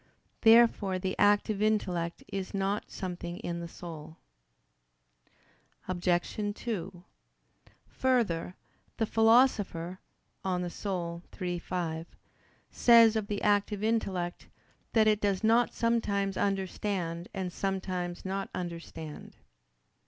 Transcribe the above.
Therefore the active intellect is not something in the soul. Obj. 2: Further, the Philosopher (De Anima iii, 5) says of the active intellect, "that it does not sometimes understand and sometimes not understand."